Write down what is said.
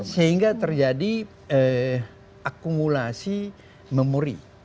sehingga terjadi akumulasi memuri